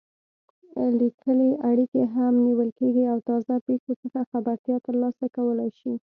لیکلې اړیکې هم نیول کېږي او تازه پېښو څخه خبرتیا ترلاسه کولای شي.